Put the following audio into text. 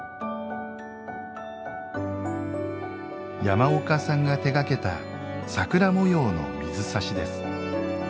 山岡さんが手がけた桜模様の水さしです。